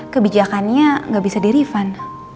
kebijakannya gak bisa dirifan